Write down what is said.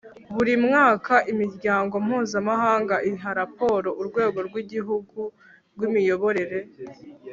buri mwaka imiryango mpuzamahanga iha raporo urwego rw'igihugu rw'imiyoborere